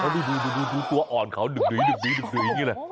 บ๊วยดูตัวอ่อนเขาดึกอย่างนี้แแบบนี้